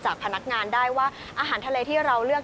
พนักงานได้ว่าอาหารทะเลที่เราเลือก